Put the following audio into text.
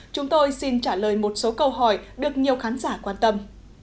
chúng tôi xin trả lời một số câu hỏi được nhiều khán giả quan tâm